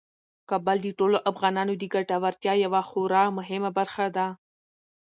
کابل د ټولو افغانانو د ګټورتیا یوه خورا مهمه برخه ده.